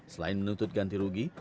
selain menuntut ganti rugi